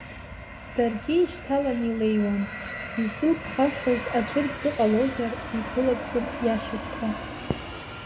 Даргьы ишьҭаланы илеиуан, изылԥхашаз аӡәыр дзыҟалозар дихылаԥшырц иашьаԥкуа.